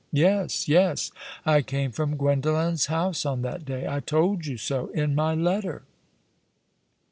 " Yes, yes. I came from Gwendolen's house on that day. I told you so in my letter."